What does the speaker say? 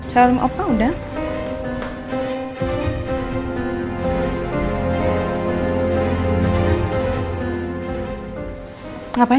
salam opa udah